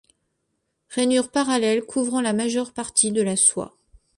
Rainures parallèles couvrant la majeure partie de la soie.